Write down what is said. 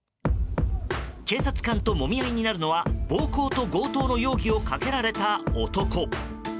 警察官ともみ合いになるのは暴行と強盗の容疑をかけられた男。